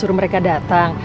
lena itu anak baik